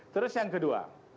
terus yang kedua